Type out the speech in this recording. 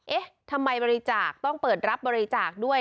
เอ๊ะทำไมบริจาคต้องเปิดรับบริจาคด้วย